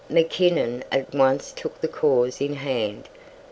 Mackinnon at once took the cause in hand.